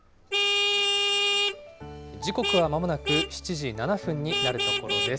時刻はまもなく７時７分になるところです。